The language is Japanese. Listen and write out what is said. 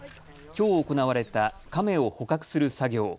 きょう行われたカメを捕獲する作業。